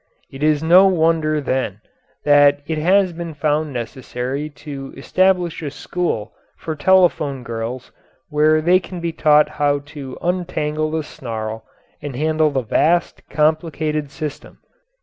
It is no wonder, then, that it has been found necessary to establish a school for telephone girls where they can be taught how to untangle the snarl and handle the vast, complicated system.